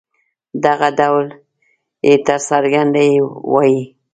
دغه ډول ي ته څرګنده يې وايي.